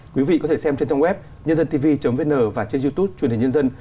quý vị có thể xem trên trang web nhân dântv vn và trên youtube truyền hình nhân dân